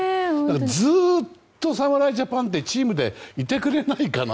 ずっと侍ジャパンでチームでいてくれないかな。